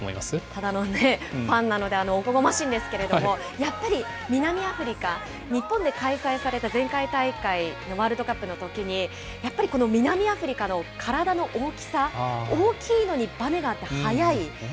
ただのファンなので、おこがましいんですけども、やっぱり、南アフリカ、日本で開催された前回大会のワールドカップのときに、やっぱりこの南アフリカの体の大きさ、大きいのにばねがあって速い。